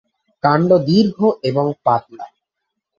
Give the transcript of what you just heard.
কাণ্ড দীর্ঘ এবং পাতলা।